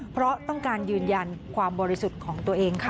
เพราะต้องการยืนยันความบริสุทธิ์ของตัวเองค่ะ